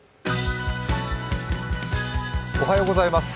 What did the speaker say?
おはようございます。